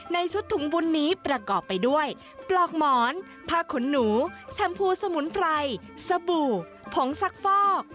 ในชุดถุงบุญนี้ประกอบไปด้วยปลอกหมอนผ้าขนหนูแชมพูสมุนไพรสบู่ผงซักฟอก